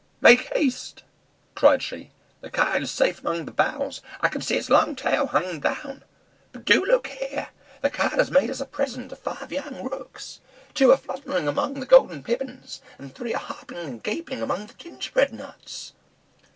"Make haste!" cried she; "the Kite is safe among the boughs; I can see its long tail hanging down. But do look here! the Kite has made us a present of five young rooks; two are fluttering among the golden pippins, and three are hopping and gaping among the gingerbread nuts."